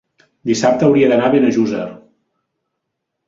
Dissabte hauria d'anar a Benejússer.